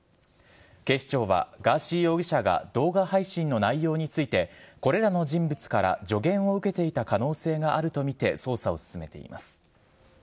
警視庁はガーシー容疑者が動画配信の内容についてこれらの人物から助言を受けていた可能性があるとみて捜査を進めています。